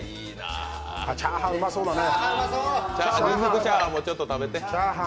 チャーハン、うまそうだね。